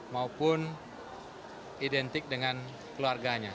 maupun identik dengan keluarganya